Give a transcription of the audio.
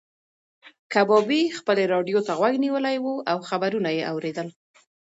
کبابي خپلې راډیو ته غوږ نیولی و او خبرونه یې اورېدل.